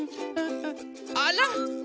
あら！